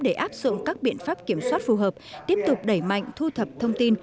để áp dụng các biện pháp kiểm soát phù hợp tiếp tục đẩy mạnh thu thập thông tin